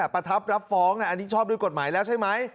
ประทับรับฟ้องอันนี้ชอบด้วยกฎหมายแล้วใช่ไหม